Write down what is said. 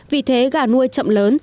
vì thế gà nuôi chậm lớn